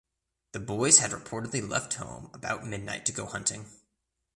The boys had reportedly left home about midnight to go hunting.